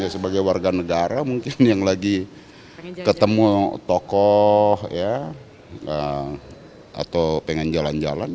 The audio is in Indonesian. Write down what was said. sebagai warga negara mungkin yang lagi ketemu tokoh ya atau pengen jalan jalan